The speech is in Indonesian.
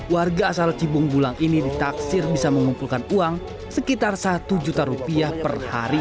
warga asal cibung bulang ini ditaksir bisa mengumpulkan uang sekitar satu juta rupiah per hari